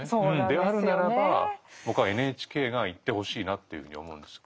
であるならば僕はＮＨＫが言ってほしいなというふうに思うんです。